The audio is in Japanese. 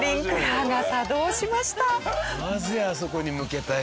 なぜあそこに向けたよ。